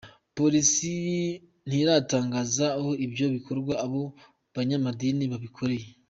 Polisi ntiratangaza aho ibyo bikorwa abo banyamadini babikoreye.